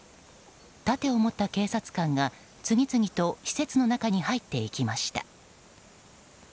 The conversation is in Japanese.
盾を持った警察官が次々と施設の中に入っていきました。